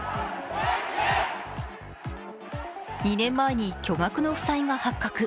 ２年前に巨額の負債が発覚。